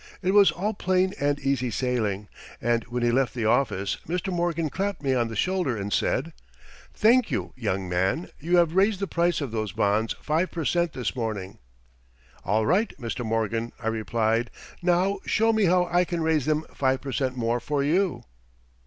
It was all plain and easy sailing, and when he left the office, Mr. Morgan clapped me on the shoulder and said: "Thank you, young man; you have raised the price of those bonds five per cent this morning." "All right, Mr. Morgan," I replied; "now show me how I can raise them five per cent more for you."